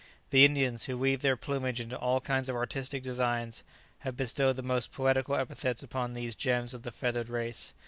The Indians, who weave their plumage into all kinds of artistic designs, have bestowed the most poetical epithets upon these gems of the feathered race.